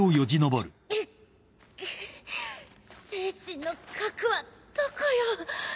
精神の核はどこよ。